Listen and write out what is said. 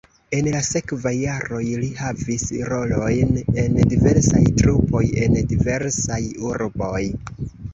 En la sekvaj jaroj li havis rolojn en diversaj trupoj en diversaj urboj.